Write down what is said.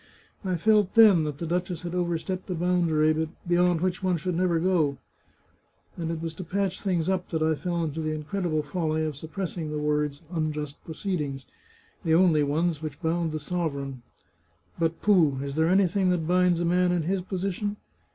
I felt then that the duchess had overstepped a boundary beyond which one should never go, and it was to patch things up that I fell into the incredible folly of suppressing the words 'unjust proceedings,' the only ones which bound the sov ereign. But pooh ! is there anything that binds a man in his position